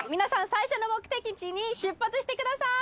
最初の目的地に出発してください